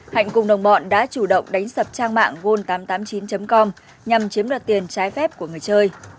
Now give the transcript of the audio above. hạnh cùng đồng bọn đã chủ động đánh sập trang mạng gold tám trăm tám mươi chín com nhằm chiếm đoạt tiền trái phép của người chơi